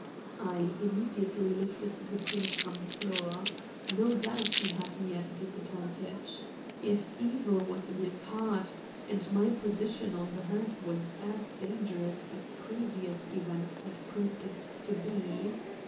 I immediately lifted the print from the floor. No doubt he had me at a disadvantage, if evil was in his heart, and my position on the hearth was as dangerous as previous events had proved it to be.